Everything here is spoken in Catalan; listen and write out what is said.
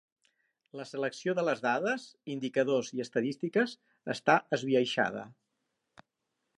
La selecció de les dades, indicadors i estadístiques està esbiaixada.